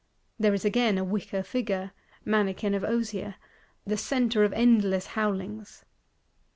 There is again a wicker Figure, "Mannequin of osier:" the centre of endless howlings.